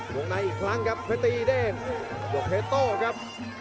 วงในอีกครั้งครับเพชรตีเด้งยกเทโต้ครับ